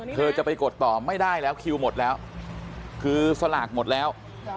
เธอจะไปกดต่อไม่ได้แล้วคิวหมดแล้วคือสลากหมดแล้ว